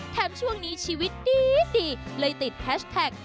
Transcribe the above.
ช่วงนี้ชีวิตดีเลยติดแฮชแท็ก